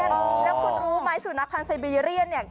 แล้วคุณรู้ไหมสุนัขพันธ์ไซบีเรียนเนี่ย